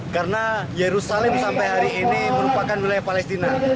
karena yerusalem sampai hari ini merupakan wilayah palestina